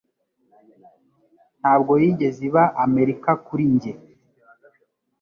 Ntabwo yigeze iba Amerika kuri njye.